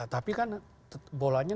tapi kan bolanya